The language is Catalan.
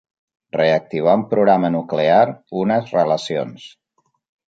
Reactivar un programa nuclear, unes relacions.